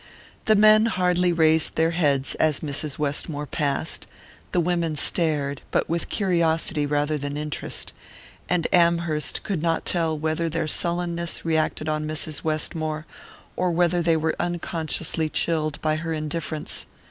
The men hardly raised their heads as Mrs. Westmore passed; the women stared, but with curiosity rather than interest; and Amherst could not tell whether their sullenness reacted on Mrs. Westmore, or whether they were unconsciously chilled by her indifference.